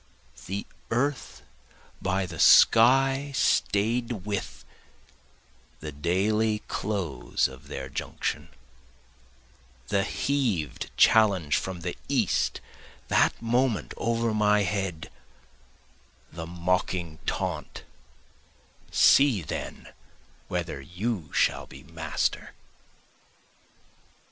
The earth by the sky staid with, the daily close of their junction, The heav'd challenge from the east that moment over my head, The mocking taunt, See then whether you shall be master!